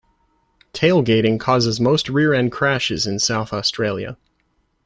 Tailgating causes most rear-end crashes in South Australia.